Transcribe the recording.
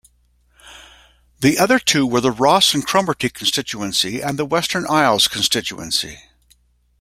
The other two were the Ross and Cromarty constituency and the Western Isles constituency.